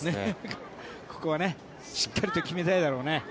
ここはねしっかりと決めたいだろうね。